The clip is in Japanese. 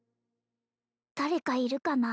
誰かいるかな？